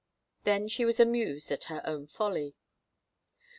Then she was amused at her own folly.